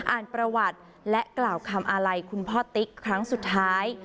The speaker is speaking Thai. อ่านประวัติและกล่าวคำอาลัยคุณพ่อติ๊กครั้งสุดท้าย